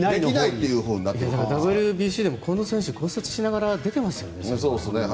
ＷＢＣでも選手が骨折しながら出てましたよね。